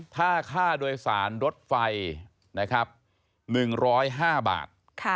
ถ้าค่าโดยสารรถไฟ๑๐๕บาท